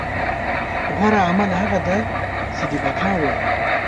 غوره عمل هغه دی چې د بقا وړ وي.